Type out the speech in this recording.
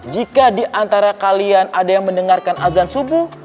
jika di antara kalian ada yang mendengarkan azan subuh